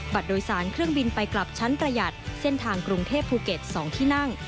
โดยสารเครื่องบินไปกลับชั้นประหยัดเส้นทางกรุงเทพภูเก็ต๒ที่นั่ง